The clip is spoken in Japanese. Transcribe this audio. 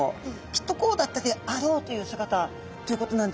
きっとこうだったであろうという姿ということなんですけれども。